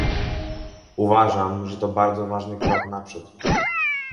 Uważam, że to bardzo ważny krok naprzód